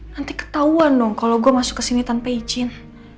nanti ketauan dong kalo gua masuk kesini tanpa izin